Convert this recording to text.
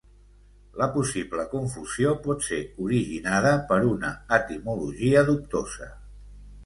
La possible confusió pot ser originada per una etimologia dubtosa.